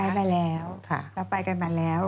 ไปแล้วเราไปกันมาแล้ว